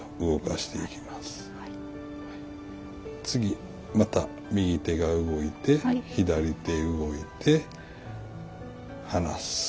次また右手が動いて左手動いて離す。